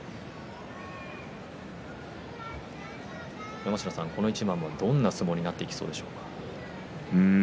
山科さん、この一番は、どんな相撲になっていきそうです